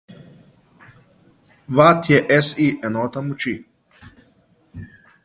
Watt je SI enota moči.